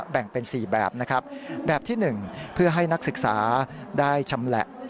แบ่งเป็น๔แบบนะครับแบบที่๑เพื่อให้นักศึกษาได้ชำแหละ